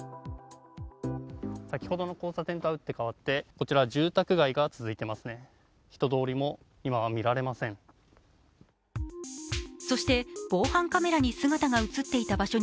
先ほどの交差点とは打って変わって、こちら住宅街が続いています。